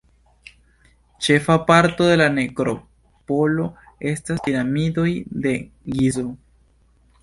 Ĉefa parto de la nekropolo estas Piramidoj de Gizo.